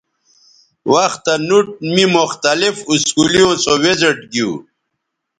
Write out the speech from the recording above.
وختہ نوٹ می مختلف اسکولیوں سو وزٹ گیو